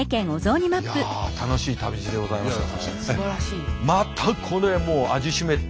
いや楽しい旅路でございました。